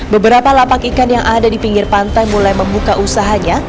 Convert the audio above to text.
beberapa lapak ikan yang ada di pinggir pantai mulai membuka usahanya